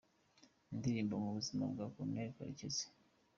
Indirimbo mu buzima bwa Corneille Karekezi.